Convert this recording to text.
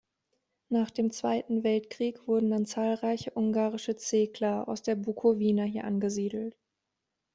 Nach dem Zweiten Weltkrieg wurden dann zahlreiche ungarische Szekler aus der Bukowina hier angesiedelt.